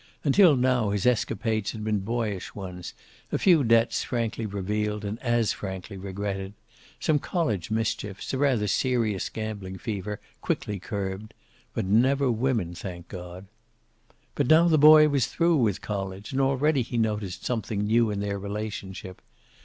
Until now his escapades had been boyish ones, a few debts frankly revealed and as frankly regretted, some college mischiefs, a rather serious gambling fever, quickly curbed. But never women, thank God. But now the boy was through with college, and already he noticed something new in their relationship.